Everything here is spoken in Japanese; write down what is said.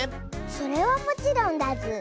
それはもちろんだズー！